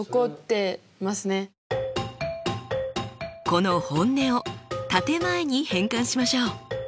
この本音を建て前に変換しましょう。